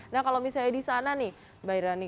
nah kalau misalnya di sana nih mbak irani